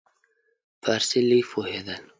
په فارسي لږ پوهېدل.